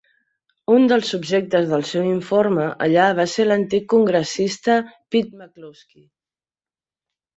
Un dels subjectes del seu informe allà va ser l'antic congressista Pete McCloskey.